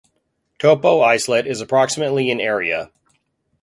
Topo Islet is approximately in area.